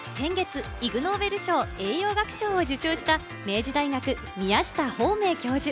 先月、イグ・ノーベル賞、栄養学賞を受賞した明治大学、宮下芳明教授。